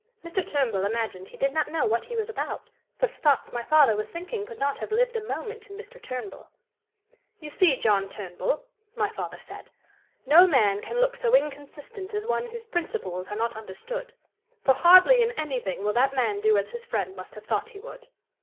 Mr. Turnbull imagined he did not know what he was about, for the thoughts my father was thinking could not have lived a moment in Mr. Turnbull. 'You see, John Turnbull,' my father said, 'no man can look so inconsistent as one whose principles are not understood; for hardly in anything will that man do as his friend must have thought he would.'